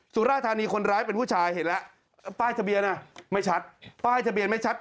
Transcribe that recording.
สุราธานีคนร้ายเป็นผู้ชายเห็นแล้วป้ายทะเบียนไม่ชัดป้ายทะเบียนไม่ชัด